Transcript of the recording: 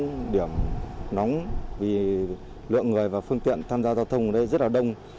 những điểm nóng vì lượng người và phương tiện tham gia giao thông ở đây rất là đông